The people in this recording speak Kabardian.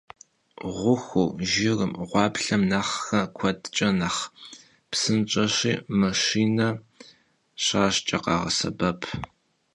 Ğuxur jjırım, ğuaplhem nexhre kuedç'e nexh psınş'eşi, maşşine şaş'ç'e khağesebep.